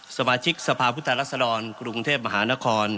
สมาชิกสภาพุทธรัศดรกรุงเทพมหานคร